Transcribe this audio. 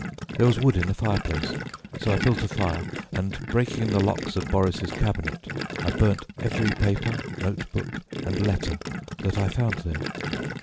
There was wood in the fire place, so I built a fire, and breaking the locks of Boris' cabinet I burnt every paper, notebook and letter that I found there.